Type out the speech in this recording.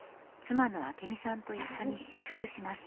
妻の明美さんと一緒に試食します。